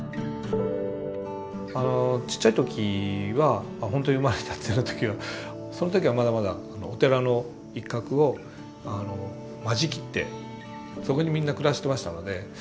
あのちっちゃい時は本当に生まれたての時はその時はまだまだお寺の一画を間仕切ってそこにみんな暮らしてましたので。